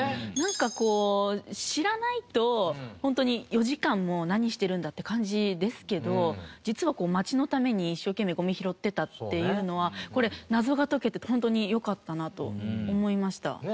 なんかこう知らないとホントに４時間も何してるんだって感じですけど実は町のために一生懸命ゴミ拾ってたっていうのはこれ謎が解けてホントによかったなと思いました。